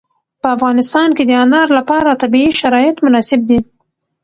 په افغانستان کې د انار لپاره طبیعي شرایط مناسب دي.